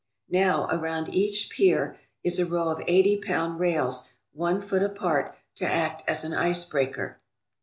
Now around each pier is a row of eighty pound rails one foot apart to act as an ice breaker.